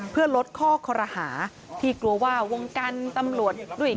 เพื่อลดข้อคอรหาที่กลัวว่าวงการตำรวจด้วย